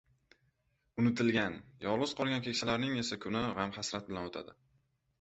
Unutilgan, yolg‘iz qolgan keksalarning esa kuni g‘am-hasrat bilan o‘tadi.